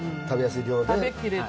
食べやすい量で。